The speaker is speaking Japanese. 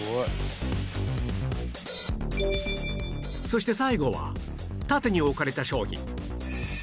そして最後は縦に置かれた商品